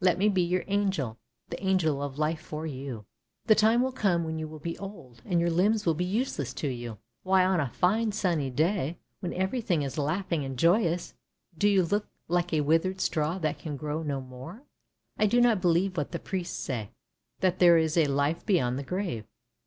Let me be your angel, the angel of life for you ! The time will come when you will be old, and your limbs will be useless to you. Why, on a fine sunny day, when everything is laughing and joyous, do you look like a withered straw that can grow no more? I do not believe what the priests say, that there is a life beyond the grave.